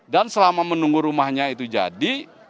dan selama menunggu rumahnya itu jadi